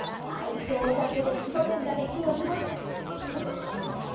あいつをおだててしぼれるだけ金をしぼり出さん？